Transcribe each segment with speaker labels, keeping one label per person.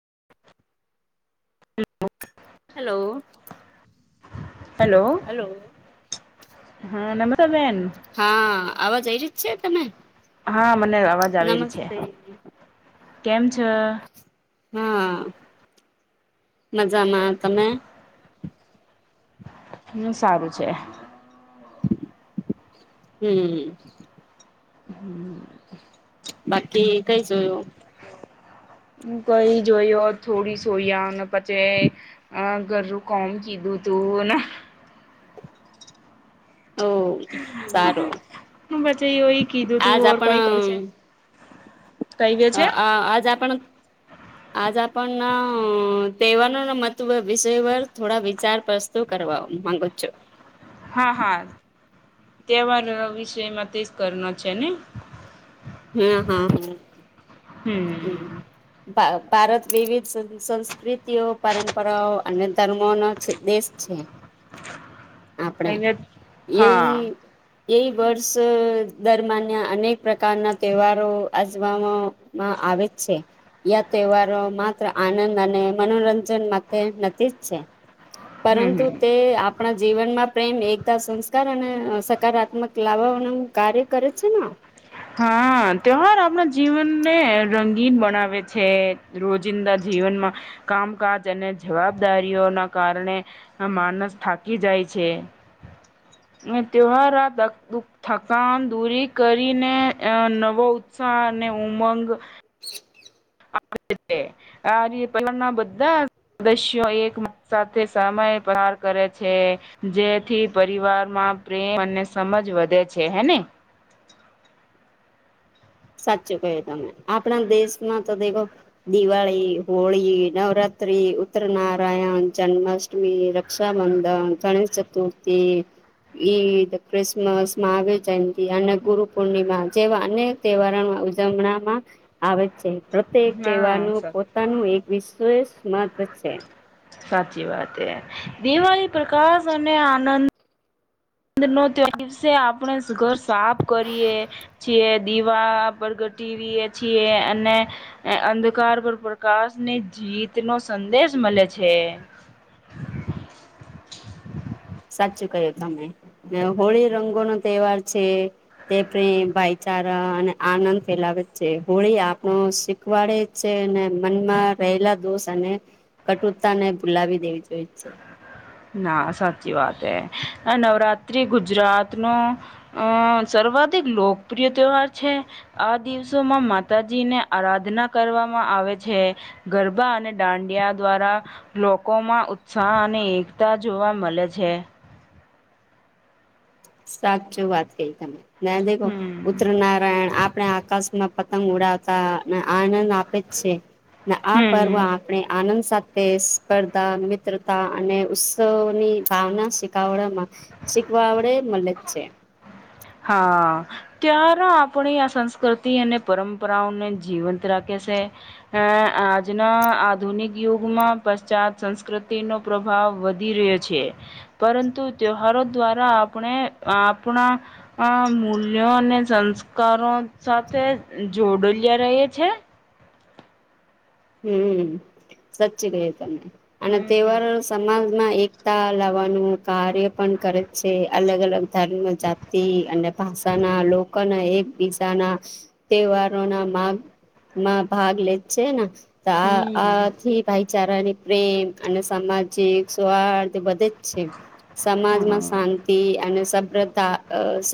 Speaker 1: Hello.
Speaker 2: Hello
Speaker 1: hello
Speaker 2: hello.
Speaker 1: હા નમ્રતા બેન?
Speaker 2: હા અવાજ આઈ ર જ છે તમે?
Speaker 1: હા મને અવાજ આવેરી છે
Speaker 2: નમસ્તે
Speaker 1: કેમ છે?
Speaker 2: હા મજામાં તમે?
Speaker 1: હ સારું છે.
Speaker 2: હમ.
Speaker 1: [inaudible]
Speaker 2: બાકી કઈ જોયું.
Speaker 1: હ કઈ જોયયો થોડી સઈ અને પછી અ ઘરું કોમ કીધું તું ને
Speaker 2: ઓ સારો
Speaker 1: છ ઓઈ કીધું તું
Speaker 2: આજ
Speaker 1: ઓર
Speaker 2: આપણ
Speaker 1: કઈ કર છે. કઈ ગયો
Speaker 2: અ
Speaker 1: છે
Speaker 2: આ આજ આપણ આજ પણ દહેવાનો ના મત વિષય વ થોડા વિચાર પ્રસ્તુ કરવા માંગો છો.
Speaker 1: હા હા તહેવાર વિષયમાં તેજ કરનો છે ને.
Speaker 2: હમ હમ હ.
Speaker 1: હમ.
Speaker 2: ભારત વિવિધ સંસ્કૃતિઓ પરંપરાઓ અને ધર્મો ન દેશ છે. હમ. છે.
Speaker 1: હા
Speaker 2: [unintelligible] એ વર્ષ દરમન અનેક પ્રકારના તહેવારો આજમાં મા આવે છે. તહેવારો માત્ર આનંદ અને મનોરંજન માટે નથી જ છે.
Speaker 1: હમ
Speaker 2: પરંતુ
Speaker 1: હમ
Speaker 2: તે આપણા મનમાં પ્રેમ એકતા સંસ્કાર અને સકારાત્મક લાવવાનું કાર્ય કરે છે ન.
Speaker 1: હા ત્યવાર આપણા જીવનને રંગીન બનાવે છે, રોજિંદા જીવનમાં, કામકાજ અને જવાબદારીઓના કારણે, માનસ થાકી જાય છે. છે.
Speaker 2: [inaudible]
Speaker 1: ત્યોવાર થકાન દૂરી કરી ને નવો ઉત્સાહ અને ઉમંગ
Speaker 2: [inaudible]
Speaker 1: આ ર પલાના બધાં સદસ્યો એક સાથે સમય પાર કરે છે, જેથી પરિવારમાં પ્રેમ અને સમજ વધે છે હે ને.
Speaker 2: [inaudible] સાચું કહ્યું તમે આપણા દેશમાં તો દેખો, દિવાળી, હોળી, નવરાત્ર ઉત્તર, નારાયણ, જન્માષ્ટમી, રક્ષાબંધન ગણેશ ચતુર્થી. ઈદ, ક્રિસમસ, માંવિર્જયતી અને ગુરુ પૂર્ણિમા જેવા અનેક તહેવારમાં ઉજવણામાં આવે છે. પ્રત્ય કહેવાનું
Speaker 1: હા
Speaker 2: પોતાનું એક વિશષ મત્ છે.
Speaker 1: સાચી વાત એ, દિવાળી પ્રકાશ અને આનંદ બ નત દિવસે આપણે ઘર સાફ કરીએ, છીએ દીવા બગ ટીવી છી અને, અંધકાર પર પ્રકાશ ની જીત નો સંદેશ મલે છે.
Speaker 2: [inaudible] સાચું ક્યું તમે, હોળી રંગો નો તહેવાર છે, તે પ્રેમ ભાઈ ારા અને આનંદ ફેલાવે છે હોળી આપણો શીખવાડે છે અને મનમાં લા દોષ અને, કટુરતાને ભૂલાવી દેવી જોઈ છે.
Speaker 1: ના સાચી વાત હ, નવરાત્રી ગુજરાત નો, અ સર્વાદ એક લોકપ્રિય તહેવાર છે, આ દિવસોમાં માતાજી ને આરાધના કરવામાં આવે છે, ગરબા અને દાંડિયા દ્વારા, લોકોમાં ઉત્સાહ અને એક તા જોવા મળે છે.
Speaker 2: સાચું વાત ક તમે ના દેખો,
Speaker 1: હમ
Speaker 2: ઉત્તર નારાયણ આપ આપણે આકાશમાં પતંગ ઉડાવતા અને આનંદ આપે જ છે. આ પર્વ
Speaker 1: હમ
Speaker 2: આપણે આનંદ સાથે સ્પર્ધા મિત્રતા અને ઉત્સવની ભાવના શીખવડામાં શીખવા આવડે મલે જ છે.
Speaker 1: હા ત્યારે આપણે આ સંસ્કૃતિ અને પરંપરાઓને જીવંત રાખી છે ને આજના આધુનિક યુગમાં પશ્ચાત સંસ્કૃતિનો પ્રભાવ વધી રહ્યો છે. પરંતુ ત્યવાારો દ્વારા આપણે આપણા આ મૂલ્યો અને સંસ્કારો સાથે જોડલિયા રહીએ છે.
Speaker 2: હમ્મ સાચી કહી તમે અને
Speaker 1: હમ.
Speaker 2: તહેવાર સમાજ માં એકતા લાવવાનું કાર્ય પણ કરે છે. અલગ-અલગ ધર્મ જાતિ અને ભાષાના લોકોના એક દિશાના તહેવારોના માગ માં ભાગ લેજ છે. ને તો આ
Speaker 1: હમ
Speaker 2: આથી ભાઈચારાની પ્રેમ અને સામાજિક સ્વાદ બધે જ છે. સમાજમાં
Speaker 1: હા
Speaker 2: શાંતિ અને સભ્રતા સ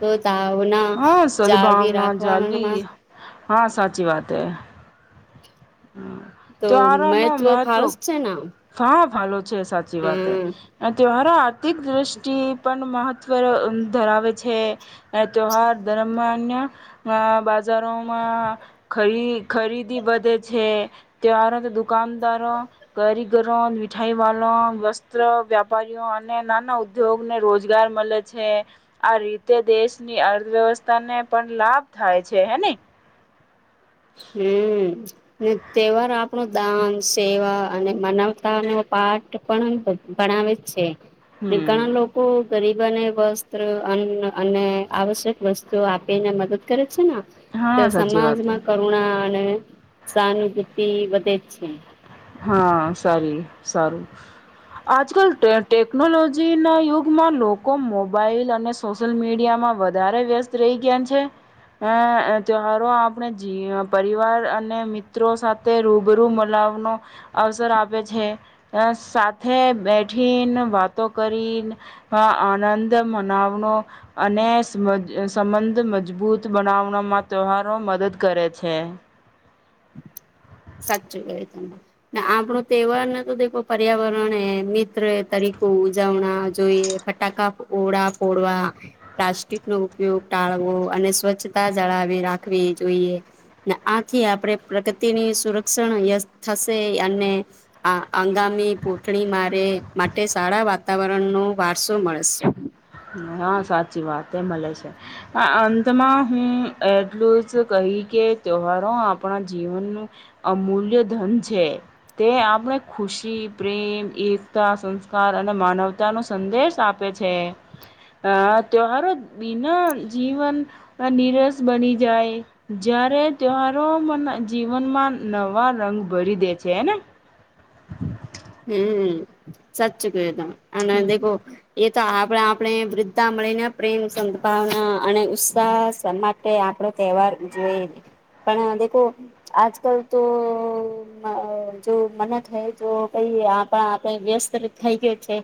Speaker 2: તો ત ના
Speaker 1: હા
Speaker 2: જાળ બી
Speaker 1: સદભાવના
Speaker 2: રાખવા મ
Speaker 1: જાલવી હા સાચી વાત હૈ.
Speaker 2: તો
Speaker 1: ત્યારો નો મહત્વ
Speaker 2: ફાળસ છે ને
Speaker 1: કાફ આનો છે સાચી વાત
Speaker 2: હમ
Speaker 1: અમે ત્યોંહરો આર્થિક દ્રષ્ટિ પણ મહ ત્વ ધરાવે છે ત્યોહાર ધર્મ ના બજારોમાં ખરી ખરીદી વધે છે ત્યાર અને દુકાનદારો કરીગરો મીઠાઈ વાલો વસ્ત્ર વ્યાપારીઓ અને નાના ઉદ્યોગને રોજગાર મલે છે આ રીતે દેશની વ્યવસ્થા ને પણ લાભ થાય છે હેને.
Speaker 2: હમ્મ. તહેવાર આપણો દાન સેવા અને મનાવતા નો પાઠ પણ આવે છે
Speaker 1: હમ
Speaker 2: ઘણા લોકો ગરીબ બને વસ્ત્ર અન્ન અને આવશ્યક વસ્તુઓ આપીને મદદ કરે છે ના ત
Speaker 1: હા સાચી વાત હે.
Speaker 2: સમાજમાં [unintelligible] સહાનુભૂતિ વધે છે.
Speaker 1: હા સારી સારું. આજકલ ટે ટેકનોલોજી ના યુગમાં લોકો મોબાઈલ અને સોશિયલ મીડિયા માં વધારે વ્યસ્ત રહી ગયા છે. અ તહેવારો આપણે જી પરિવાર અને મિત્રો સાથે રૂબરૂ મલાવનો અવસર આપે છે સાથે બેઠીને વાતો કરીને આનંદ મનાવનો અને સબ સંબંધ મજબૂત બનાવનો માં ત્યવારો મદદ કરે છે.
Speaker 2: સાચું હોય તને ને આપણો તહેવાર ને તો દેખો પર્યાવરણ એ મિત્ર તરીકે ઉજવણા જોઈએ ફટાકા ઓડા ફોડવા પ્લાસ્ટિક નો ઉપયોગ ટાળ વો અને સ્વચ્છતા જાળાવી રાખવી જોઈએ ને આથી આપણે પ્રકૃતિની સુરક્ષણ ય થશે અને આ આંગામી પોઠણી મારે માટે સા ળા વાતાવરણ નો વારસો મળે છે.
Speaker 1: હા સાચી વાત એ મલે છે આ અંતમાં હું એટલું જ ક હિ કે તવારો આપણા જીવન નુ અમૂલ્ય ધન છે તે આપણે ખુશી પ્રેમ એકતા સંસ્કાર અને માનવતા નો સંદેશ આપે છે. આ તાયહારો બીના જીવન નિરસ બની જાય જ્યારે તહેવારો મન જીવનમાં નવા રંગ ભરી દે છે હે ને. [inaudible]
Speaker 2: હમ્મ સાચું કહ્યું તમે આને દેખો એ તો આપણા આપણે વૃદ્ધા મળીને પ્રેમ સંદભાવના અને ઉત્સાહ માટે આપડો તહેવાર ઉજવીએ. પણ દેખો આજ કલ તો અ જો મન્ત હૈ જો આપણા આપણે વ્યસ્ત થઈ ગય છે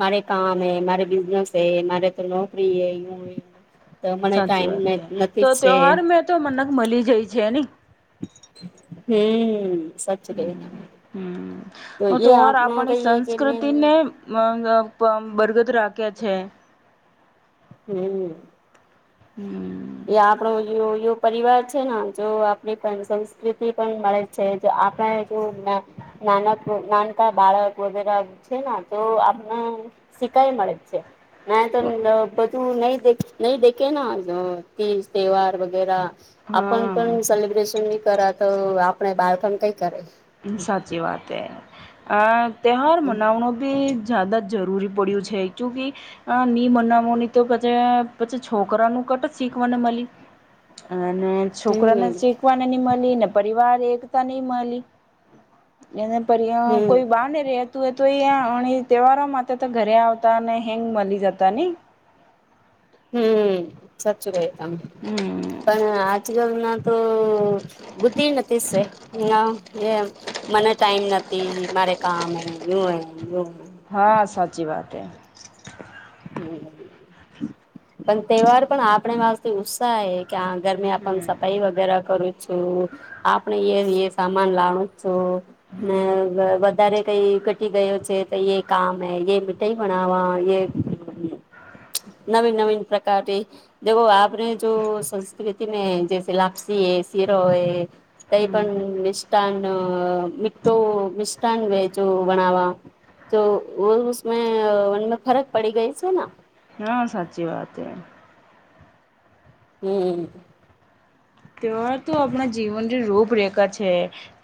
Speaker 2: મારે કામ એ મારે બિઝનેસ એ મારે નોકરી યે
Speaker 1: સાચી વાત તો તહેવાર મેં તો મનત મળી જાય છે ને
Speaker 2: હમ્મ.
Speaker 1: હમ્મ હમ્મ હું
Speaker 2: એ
Speaker 1: તો ઓર
Speaker 2: આપમાં
Speaker 1: આપણી
Speaker 2: કહીએ કે મેન
Speaker 1: સંસ્કૃતિ ને [unintelligible] બરગદ રાખ્યા છે.
Speaker 2: હમ્મ.
Speaker 1: હમ
Speaker 2: એ આપણો જે હોય એ પરિવાર છે ને જો આપણી સંસ્કૃતિ પણ મળે છે આપણા જો નાનક નાનકા બાળક વગેરે છે ને તો આપને શીખાય મળે છે. નાય તો અ બધું ને નય નહી દેખે ના આ તીજ તહેવાર વગેરા. આપણ પણ
Speaker 1: હા
Speaker 2: સેલિબ્રેશન ની કરા તો આપણે બાાર પણ કઈ કરે.
Speaker 1: સાચી વાતે હ અ તહેવાાર મનાવણો ભી જાદા જ જરૂરી પડ્યું છે કયુકી અ ની બનાવવાની તો પછી પછી છોકરાનું કોટ શીખવાને મલી
Speaker 2: [inaudible]
Speaker 1: અને છોકરાને
Speaker 2: હમ
Speaker 1: શીખવાને નહિ મળી. ને પરિવાર એકતા નય મળી. એને પર્યા
Speaker 2: હમ
Speaker 1: કોઈ બહાર ને રહ્યા તું. તો અં તહેવારો માટે તો ઘરે આવતા અને હેંગ મળી જતા ને.
Speaker 2: હમ. સાચું કમ
Speaker 1: હમ
Speaker 2: પણ આજકાલ ના તો બુ્ધિ નથી સે એ મને ટાઈમ નથી મારે કામ હે. [unintelligible]
Speaker 1: હા સાચી વાતે.
Speaker 2: હ પણ તહેવાર પણ આપણે માસ્થી ઉત્સાહે ક્યાં ઘર આપન
Speaker 1: હમ.
Speaker 2: સફાઈ વગેરે કરું છું. આપણે એ સામાન લાણું ને
Speaker 1: હમ
Speaker 2: વધારે કઈ ઘટી ગયો છે. તો એ કામ એ મીઠાઈ ભણવા એ. નવીન નવીન પ્રકારની દો આપને જો સંસ્કૃતિ મે જૈ લાપસી હૈ શીરો હોય કઈ પણ
Speaker 1: હમ
Speaker 2: મિષ્ટાન અ મીઠું મિષ્ટાન વેજૂ બનાવા તો વો ઉસમેં ઉનમેં ફરક પડી ગઈ છે ના
Speaker 1: હા સાચી વાત હૈ.
Speaker 2: હમ.
Speaker 1: તેહવાર તો આપણા જીવનની રૂપરેેખા છે.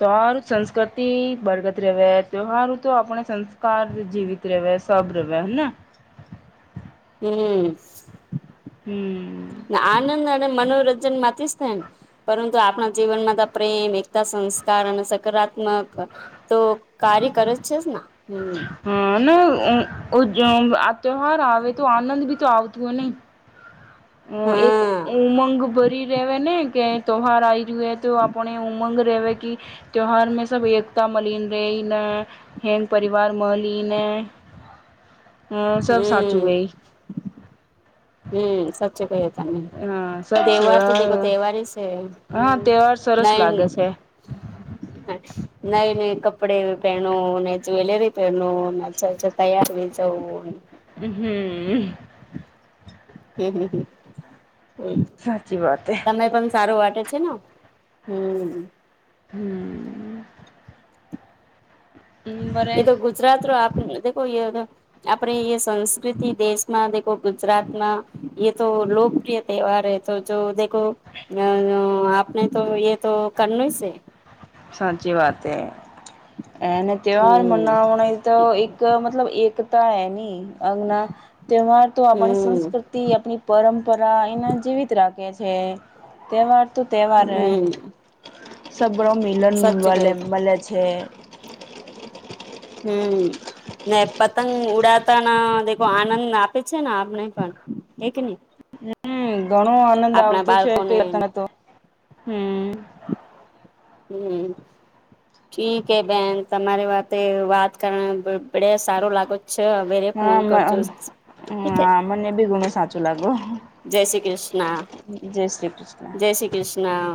Speaker 1: તેવર સંસ્કૃતિ બરગત રહે. તેવહરુ તો આપણે સંસ કાર જીવિત રેવ. સબ રેવે હેના.
Speaker 2: હમ્મ.
Speaker 1: હમ.
Speaker 2: [unintelligible] મનોરંજન માંથી જ થાય. ને પરંતુ આપણા જીવનમાં પ્રેમ, એકતા, સંસ્કાર અને સકારા ત્મક તો કાર્ય કર જ છે જ ના હમ
Speaker 1: [unintelligible] તહેવાાર આવે તો આનંદ બી તો આવતું હોય નહી. એક
Speaker 2: હા
Speaker 1: ઉમંગ ભરી રેવે ને કે તોહાર આઈ જોએ તો આપણે ઉમંગ રહેવે કે તયોહાર મે સબ એકતા મલિન રેન હેંગ પરિવાર મલિને હે
Speaker 2: [inaudible]
Speaker 1: હમ સબ
Speaker 2: હમ
Speaker 1: સાચુંએ.
Speaker 2: હમ સચો કહે તને.
Speaker 1: હા સબ
Speaker 2: તહેવાર તો દેખો તહેવાર છે.
Speaker 1: હા
Speaker 2: હમ
Speaker 1: તહેવાર
Speaker 2: ન
Speaker 1: સરસ લાગે છે
Speaker 2: નહી નહી. કપડે પહે ને, જ્વેલરી પહે ને, તૈયારી જવું.
Speaker 1: હમ!.
Speaker 2: હમ.
Speaker 1: સાચી વાત હે
Speaker 2: તમે પણ સારું વાટે. છે હમ.
Speaker 1: હમ! બરે
Speaker 2: એ તો ગુજરાત ર આપ દેખ એ. આપડે એ સંસ્કૃતિ દેશમાં દ ગુજરાતમાં એ તો લોકપ્રિય ત્યોહાર. તો જો દેખો અ આપને તો એ તો કરનોે સે.
Speaker 1: સાચી વાત એ. એને ત્યોહાર
Speaker 2: હમ
Speaker 1: મનાવાણ તો એક મતલબ એકકતા એ નહીં. અ તહેવાર તો આપણી
Speaker 2: હમ
Speaker 1: સંસ્કૃતિ, આપણી પરંપરા એના જેવીિત રાખે છે. તહેવાર તો તહેવાર.
Speaker 2: હમ
Speaker 1: મિલન
Speaker 2: સાચું
Speaker 1: બલે
Speaker 2: કહ્યું ત
Speaker 1: બલે છે.
Speaker 2: હમ! ને પતંગ ઉડાતા ના દે આનંદ આપે છે ને? આપને પણ. હે કે નહી?
Speaker 1: હમ ઘણું આનંદ આવતું છે કે
Speaker 2: બાળકોને
Speaker 1: તને તો હમ
Speaker 2: હમ. ઠીક હે બેન તમારી વાતે વાત કર બ સારું લાગે અચછા મેરે ફહોન કો ચૂસ
Speaker 1: હ મને બી ગુંનું સાચું લાગો.
Speaker 2: જય શ્રી કૃષ્ણ
Speaker 1: કૃષ્ણ.
Speaker 2: જય શ્રી કૃષ્ણા